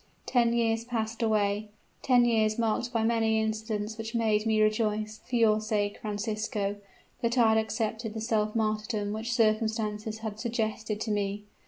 Ten years passed away ten years, marked by many incidents which made me rejoice, for your sake, Francisco, that I had accepted the self martyrdom which circumstances had suggested to me.